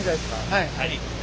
はい。